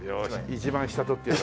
一番下取ってやる。